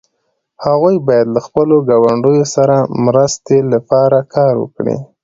هغوی باید له خپلو ګاونډیو سره مرستې لپاره کار وکړي.